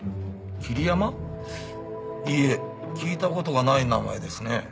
いいえ聞いた事がない名前ですね。